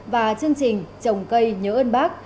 và chương trình trồng cây nhớ ơn bác